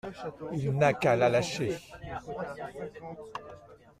Il n’a qu’à la lâcher.